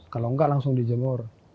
kalau enggak langsung dijemur